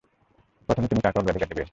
প্রথমে তুমি কাকে অগ্রাধিকার দিবে?